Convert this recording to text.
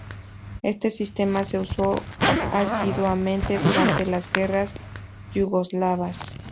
Este sistema se usó asiduamente durante las Guerras Yugoslavas.